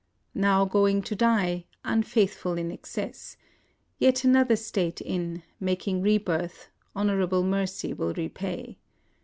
Now going to die, unfaithful in excess ;— yet another state in, making re birth, honorable mercy will repay.